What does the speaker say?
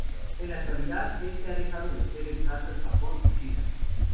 En la actualidad, este ha dejado de ser el caso en Japón o China.